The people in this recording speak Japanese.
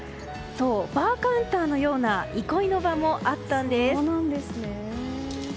バーカウンターのような憩いの場もあったんです。